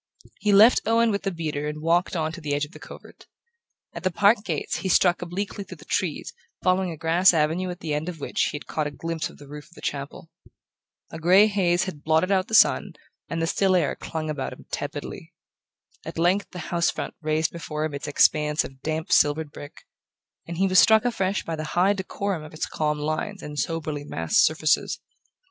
He left Owen with the beater and walked on to the edge of the covert. At the park gates he struck obliquely through the trees, following a grass avenue at the end of which he had caught a glimpse of the roof of the chapel. A grey haze had blotted out the sun and the still air clung about him tepidly. At length the house front raised before him its expanse of damp silvered brick, and he was struck afresh by the high decorum of its calm lines and soberly massed surfaces.